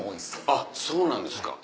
あっそうなんですか。